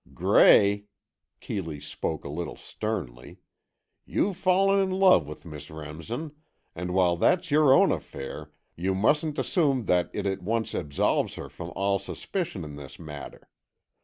"Gray," Keeley spoke a little sternly, "you've fallen in love with Miss Remsen, and while that's your own affair, you mustn't assume that it at once absolves her from all suspicion in this matter.